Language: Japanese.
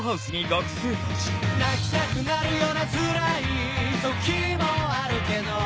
泣きたくなるようなつらい時もあるけど